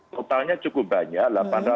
totalnya cukup banyak